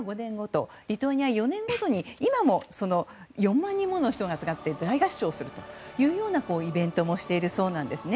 そしてリトアニアは４年ごとに今も４万人もの人が集まって大合唱をするというイベントもしているそうです。